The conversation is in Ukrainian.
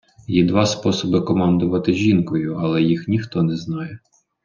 Є два способи командувати жінкою, але їх ніхто не знає